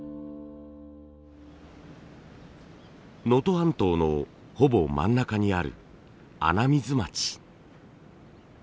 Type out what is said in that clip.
能登半島のほぼ真ん中にある穴水町。